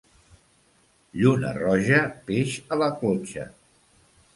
Lluna roja, peix a la clotxa.